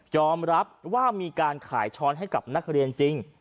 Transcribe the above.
รับว่ามีการขายช้อนให้กับนักเรียนจริง